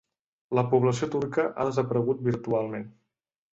La població turca ha desaparegut virtualment.